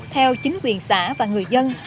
theo chính quyền xã và người dân